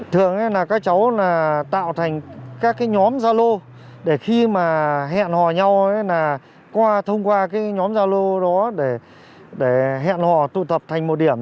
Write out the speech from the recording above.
thường các cháu tạo thành các nhóm giao lô để khi mà hẹn hò nhau thông qua nhóm giao lô để hẹn hò tụ tập thành một điểm